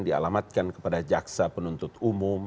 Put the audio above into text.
dialamatkan kepada jaksa penuntut umum